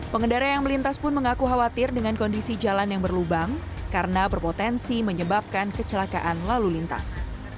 pengendara yang melintas pun mengaku khawatir dengan kondisi jalan yang berlubang karena berpotensi menyebabkan kecelakaan lalu lintas